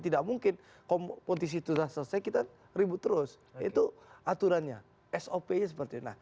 tidak mungkin kompetisi itu sudah selesai kita ribut terus itu aturannya sop nya seperti